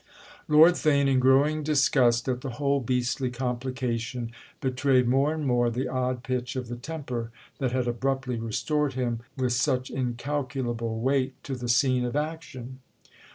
Lord Theign, in growing disgust at the whole beastly complication, betrayed more and more the odd pitch of the temper that had abruptly restored him with such incalculable weight to the scene of action.